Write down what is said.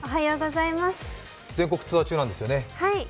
全国ツアー中なんですよね？